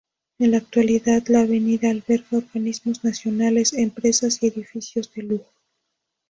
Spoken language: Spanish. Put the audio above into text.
En la actualidad la avenida alberga organismos nacionales, empresas y edificios de lujo.